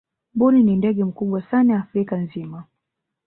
mbuni ni ndege mkubwa sana afrika nzima